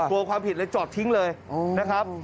กลัวความผิดเลยจอดทิ้งเลยนะครับ